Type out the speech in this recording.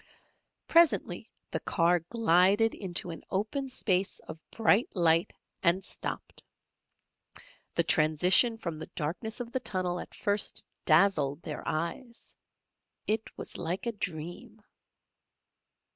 Presently the car glided into an open space of bright light, and stopped. The transition from the darkness of the tunnel at first dazzled their eyes. It was like a dream.